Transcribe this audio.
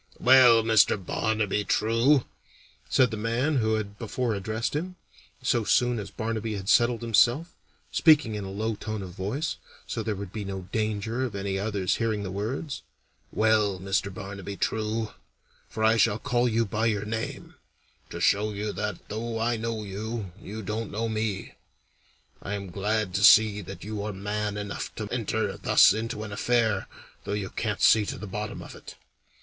"Well, Mr. Barnaby True," said the man who had before addressed him, so soon as Barnaby had settled himself, speaking in a low tone of voice, so there would be no danger of any others hearing the words "Well, Mr. Barnaby True for I shall call you by your name, to show you that though I know you, you don't know me I am glad to see that you are man enough to enter thus into an affair, though you can't see to the bottom of it.